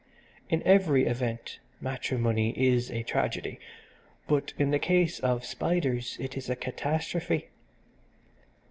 In every event matrimony is a tragedy, but in the case of spiders it is a catastrophe.